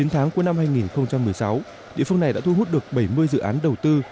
chín tháng cuối năm hai nghìn một mươi sáu địa phương này đã thu hút được bảy mươi dự án đầu tư